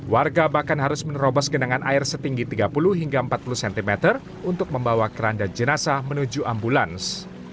warga bahkan harus menerobos genangan air setinggi tiga puluh hingga empat puluh cm untuk membawa keranda jenasa menuju ambulans